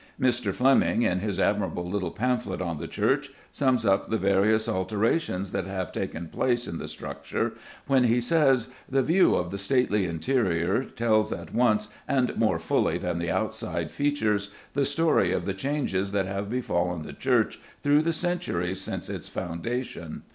Mr. Fleming, in his admirable little pamphlet on the church, sums up the various alterations that have taken place in the structure when he says "the view of the stately interior tells at once, and more fully than the outside features, the story of the changes that have befallen the church through the centuries since its foundation.